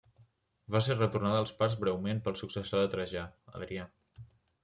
Va ser retornada als parts breument pel successor de Trajà, Adrià.